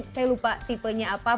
saya lupa tipenya apa